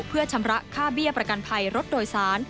เพื่อชำระค่าเบี้ยประกันภัยรถโดยสาร